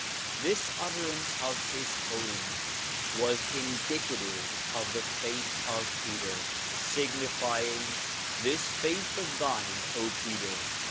This utterance of His Holiness was indicative of the faith of Peter, signifying — This faith of thine, Peter!